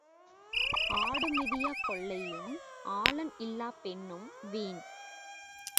ஆடு மிதியாக் கொல்லையும் ஆளன் இல்லாப் பெண்ணும் வீண்.